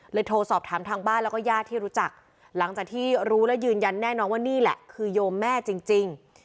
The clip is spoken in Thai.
โทรสอบถามทางบ้านแล้วก็ญาติที่รู้จักหลังจากที่รู้และยืนยันแน่นอนว่านี่แหละคือโยมแม่จริง